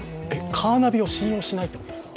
カーナビを信用しないってことですか？